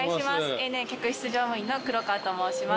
ＡＮＡ客室乗務員の黒川と申します。